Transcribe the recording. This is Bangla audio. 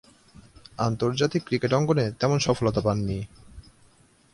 আন্তর্জাতিক ক্রিকেট অঙ্গনে তেমন সফলতা পাননি।